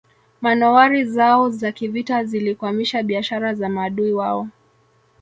Manowari zao za kivita zilikwamisha biashara za maadui wao